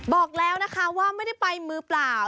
บอกแล้วนะคะว่าไม่ได้ไปมือเปล่า